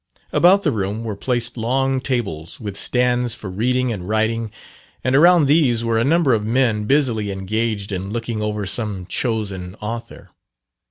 About the room were placed long tables, with stands for reading and writing, and around these were a number of men busily engaged in looking over some chosen author.